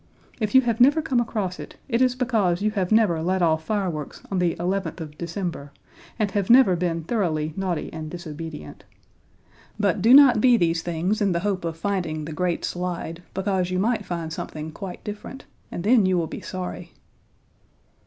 If you have never come across it, it is because you have never let off fireworks on the eleventh of December, and have never been thoroughly naughty and disobedient. But do not be these things in the hope of finding the great slide because you might find something quite different, and then you will be sorry.